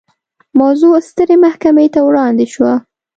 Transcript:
موضوع سترې محکمې ته وړاندې شوه.